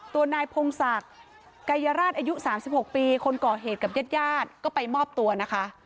ตัวนายพงศักดิ์กายราชอายุ๓๖ปีคนก่อเหตุกับญาติญาติก็ไปมอบตัวนะคะ